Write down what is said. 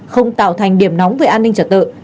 không tạo thành điểm nóng về an ninh trật tự